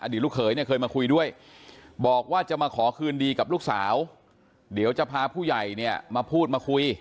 ลูกเขยเนี่ยเคยมาคุยด้วยบอกว่าจะมาขอคืนดีกับลูกสาวเดี๋ยวจะพาผู้ใหญ่เนี่ยมาพูดมาคุย